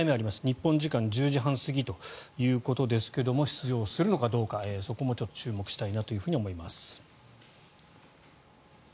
日本時間１０時半過ぎということですが出場するのかどうかそこも注目したいなと思います。